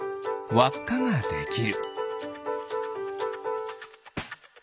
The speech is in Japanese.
わっかができる。